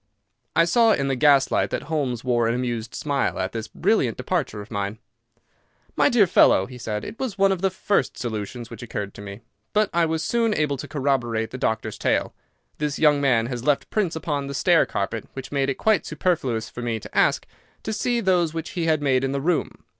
I saw in the gaslight that Holmes wore an amused smile at this brilliant departure of mine. "My dear fellow," said he, "it was one of the first solutions which occurred to me, but I was soon able to corroborate the doctor's tale. This young man has left prints upon the stair carpet which made it quite superfluous for me to ask to see those which he had made in the room.